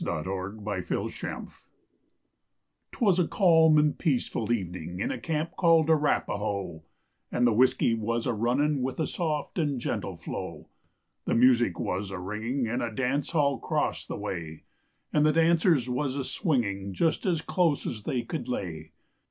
ARAPHOE, OR BUCKSKIN JOE 'Twas a calm and peaceful evening in a camp called Araphoe, And the whiskey was a running with a soft and gentle flow, The music was a ringing in a dance hall cross the way, And the dancers was a swinging just as close as they could lay.